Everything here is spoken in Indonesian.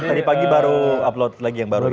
tadi pagi baru upload lagi yang baru